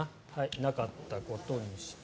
なかったことにして。